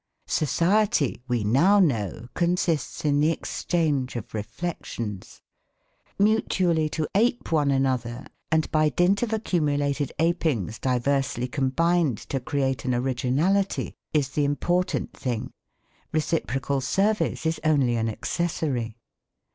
Society, we now know, consists in the exchange of reflections. Mutually to ape one another, and by dint of accumulated apings diversely combined to create an originality is the important thing. Reciprocal service is only an accessory.